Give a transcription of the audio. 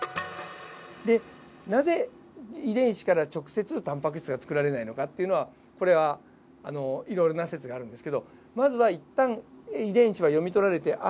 なぜ遺伝子から直接タンパク質が作られないのかっていうのはこれはいろいろな説があるんですけどまずは一旦遺伝子が読み取られてＲＮＡが作られる。